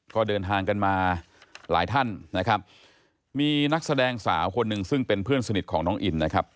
ก็เดินทางกันมาหลายท่านนะครับมีนักแสดงสาวคนหนึ่งซึ่งเป็นเพื่อนสนิทของน้องอินนะครับ